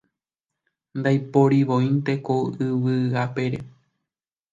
Ndaiporivoínte ko yvy apére